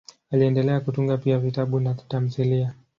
Aliendelea kutunga pia vitabu na tamthiliya.